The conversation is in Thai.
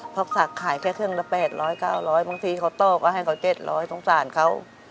เพราะถ้าขายแค่เครื่องละ๘๐๐๙๐๐บางทีเขาต้อก็ให้กับ๗๐๐สงสารเขา